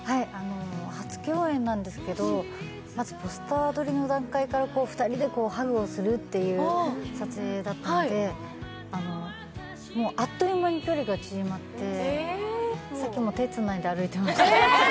初共演なんですけどまずポスター撮りの段階から２人でハグをするという撮影だったので、あっという間に距離が縮まってさっきも手つないで歩いてました。